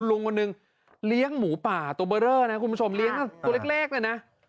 ลุงคนหนึ่งเลี้ยงหมูป่าตัวเบอร์เรอนะคุณผู้ชมเลี้ยงตัวเล็กเนี่ยนะ